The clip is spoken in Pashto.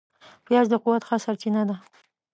پیاز د قوت ښه سرچینه ده